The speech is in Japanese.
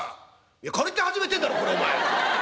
「いや借りて始めてんだろそれお前。